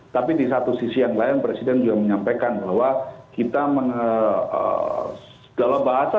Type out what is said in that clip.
tapi di satu sisi yang lain presiden juga menyampaikan bahwa kita dalam bahasa